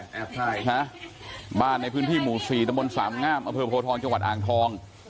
ใช่ฮะบ้านในพื้นที่หมู่สี่ตะบนสามงามอำเภอโพทองจังหวัดอ่างทอง